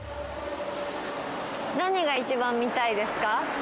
何が一番見たいですか？